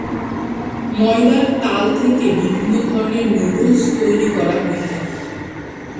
ময়দার তাল থেকে বিভিন্ন ধরনের নুডলস তৈরি করা হয়ে থাকে।